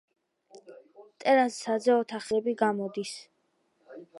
ტერასაზე ოთახების კარ-სარკმლები გამოდის.